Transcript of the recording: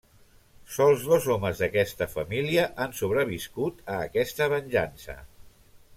Sol dos homes d'aquesta família han sobreviscut a aquesta venjança.